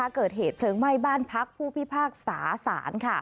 เกิดเหตุเพลิงไหม้บ้านพักผู้พิพากษาศาล